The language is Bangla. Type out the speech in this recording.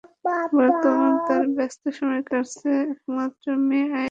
বর্তমানে তাঁর ব্যস্ত সময় কাটছে একমাত্র মেয়ে আইরা এবং চাকরি নিয়ে।